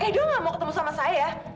edwardo gak mau ketemu sama saya